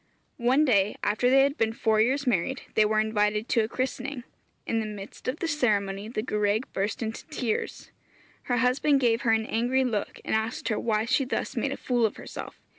One day, after they had been four years married, they were invited to a christening. In the midst of the ceremony the gwraig burst into tears. Her husband gave her an angry look, and asked her why she thus made a fool of herself.